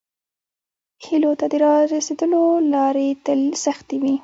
هیلو ته د راسیدلو لارې تل سختې وي.